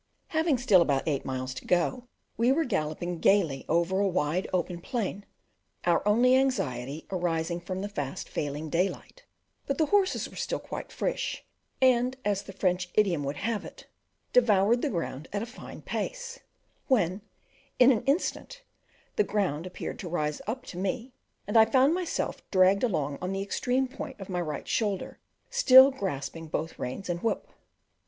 Having still about eight miles to go, we were galloping gaily over a wide open plain, our only anxiety arising from the fast failing daylight; but the horses were still quite fresh, and, as the French idiom would have it, devoured the ground at a fine pace; when, in an instant, the ground appeared to rise up to meet me, and I found myself dragged along on the extreme point of my right shoulder, still grasping both reins and whip.